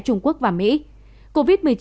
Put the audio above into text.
trung quốc và mỹ covid một mươi chín